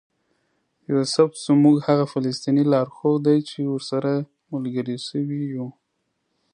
یوسف زموږ هغه فلسطینی لارښود دی چې ورسره ملګري شوي یو.